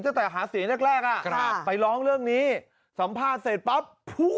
ตั้งแต่หาเสียงแรกแรกไปร้องเรื่องนี้สัมภาษณ์เสร็จปั๊บ